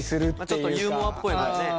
ちょっとユーモアっぽいのがね。